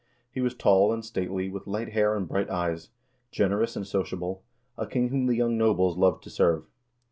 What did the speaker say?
He was tall and stately, with light hair and bright eyes, generous and sociable, a king whom the young cobles loved to serve.